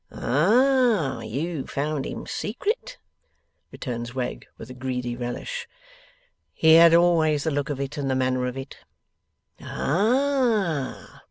'Ah! You found him secret?' returns Wegg, with a greedy relish. 'He had always the look of it, and the manner of it.' 'Ah!